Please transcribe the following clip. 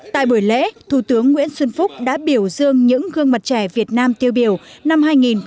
tại buổi lễ thủ tướng nguyễn xuân phúc đã biểu dương những gương mặt trẻ việt nam tiêu biểu năm hai nghìn một mươi chín